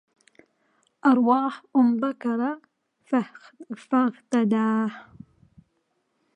أرواح أم بكرة فاغتداء